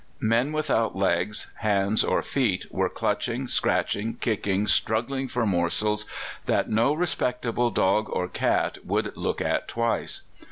Men without legs, hands, or feet were clutching, scratching, kicking, struggling for morsels that no respectable dog or cat would look at twice.